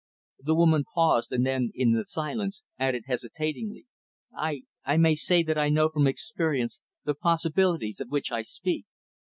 The woman paused, and then, in the silence, added hesitatingly, "I I may say that I know from experience the possibilities of which I speak."